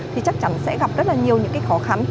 thì chắc chắn sẽ gặp rất nhiều những khó khăn